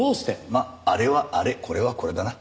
まああれはあれこれはこれだな。